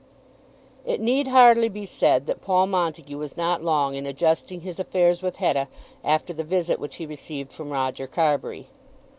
It need hardly be said that Paul Montague was not long in adjusting his affairs with Hetta after the visit which he received from Roger Carbury.